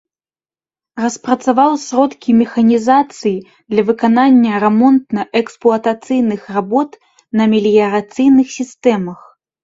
Распрацаваў сродкі механізацыі для выканання рамонтна-эксплуатацыйных работ на меліярацыйных сістэмах.